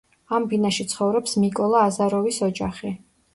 ამ ბინაში ცხოვრობს მიკოლა აზაროვის ოჯახი.